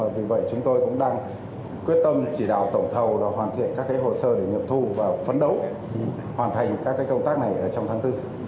vì vậy chúng tôi cũng đang quyết tâm chỉ đạo tổng thầu hoàn thiện các hồ sơ để nghiệm thu và phấn đấu hoàn thành các công tác này trong tháng bốn